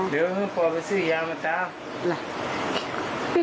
มีเมียกับเจ้าพี่